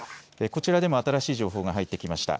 こちらでも新しい情報が入ってきました。